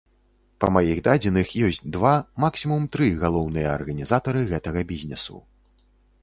Па маіх дадзеных, ёсць два, максімум тры галоўныя арганізатары гэтага бізнесу.